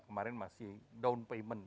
kemarin masih down payment